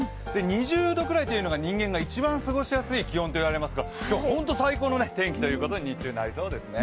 ２０度ぐらいというのが、人間が一番過ごしやすい気温ということになりますから、本当に最高の天気ということに日中、なりそうですね。